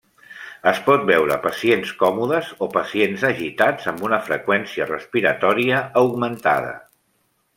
Es pot veure pacients còmodes o pacients agitats amb una freqüència respiratòria augmentada.